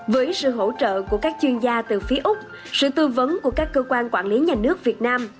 với sự hỗ trợ của các chuyên gia từ phía úc sự tư vấn của các cơ quan quản lý nhà nước việt nam